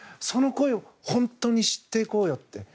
その声を本当に知っていこうよって。